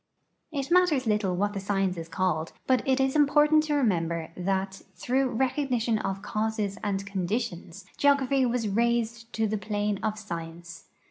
It matters little what the science is called, but it is important to remember that through recognition of causes and conditions geography was raised to the plane of science.